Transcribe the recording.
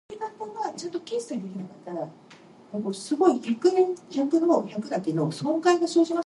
Early members included Emanuel Swedenborg and Anders Celsius.